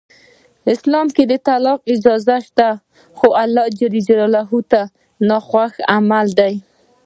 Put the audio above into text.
اسلام کې د طلاق اجازه شته خو الله ج ته ناخوښ عمل دی.